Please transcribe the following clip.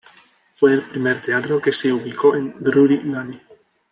Fue el primer teatro que se ubicó en Drury Lane.